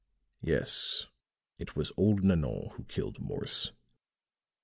"Yes; it was old Nanon who killed Morse.